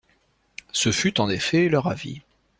Ce fut, en effet, leur avis.